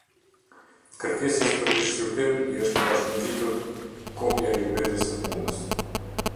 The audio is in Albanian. Kërkesës për rishqyrtim i është bashkangjitur: Kopja e librezës së punës.